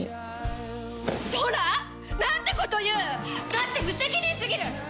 だって無責任過ぎる！